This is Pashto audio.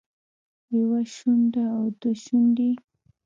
يوه شونډه او دوه شونډې